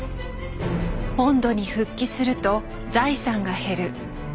本土に復帰すると財産が減る。